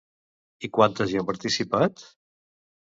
I quantes hi han participat?